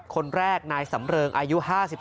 คนแรกนายสำเริงอายุ๕๓